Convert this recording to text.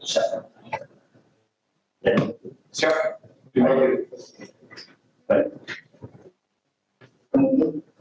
silahkan bawa pelanggan